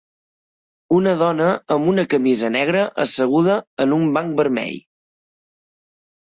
Una dona amb una camisa negra asseguda en un banc vermell.